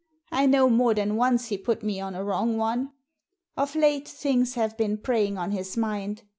I know more than once he put me on a wrong one. Of late things have been preying on his mind.